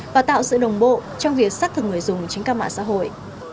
và tạo sự đồng bộ trong việc xác thực người dùng trên các mạng xã hội